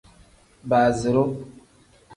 Baaziru.